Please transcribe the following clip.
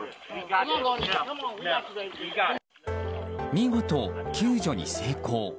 見事、救助に成功。